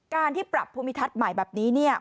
ที่ปรับภูมิทัศน์ใหม่แบบนี้เนี่ย